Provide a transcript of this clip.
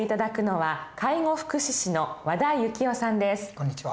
こんにちは。